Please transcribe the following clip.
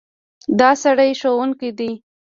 دا سړی ښوونکی دی.